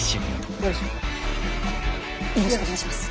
よろしくお願いします。